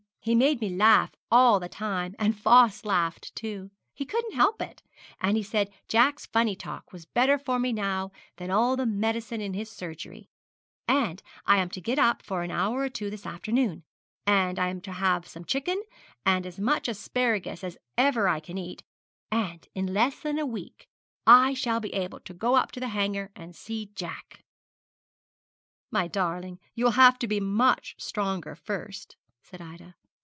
He made me laugh all the time, and Fos laughed, too, he couldn't help it; and he said Jack's funny talk was better for me now than all the medicine in his surgery; and I am to get up for an hour or two this afternoon; and I am to have some chicken, and as much asparagus as ever I can eat and in less than a week I shall be able to go up to the hanger and see Jack.' 'My darling, you will have to be much stronger first,' said Ida.